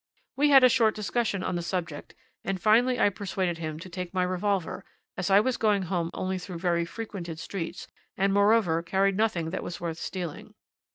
"'We had a short discussion on the subject, and finally I persuaded him to take my revolver, as I was going home only through very frequented streets, and moreover carried nothing that was worth stealing.